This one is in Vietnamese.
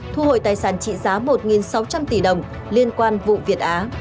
thu hồi tài sản trị giá một sáu trăm linh tỷ đồng liên quan vụ việt á